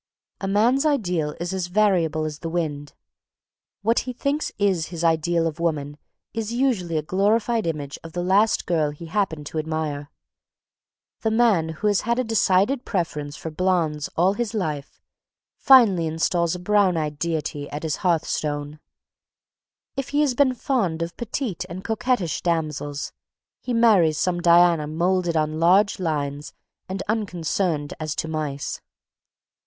A man's ideal is as variable as the wind. What he thinks is his ideal of woman is usually a glorified image of the last girl he happened to admire. The man who has had a decided preference for blondes all his life, finally installs a brown eyed deity at his hearthstone. If he has been fond of petite and coquettish damsels, he marries some Diana moulded on large lines and unconcerned as to mice.